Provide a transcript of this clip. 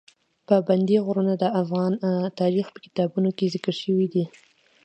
پابندي غرونه د افغان تاریخ په کتابونو کې ذکر شوي دي.